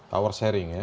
power sharing ya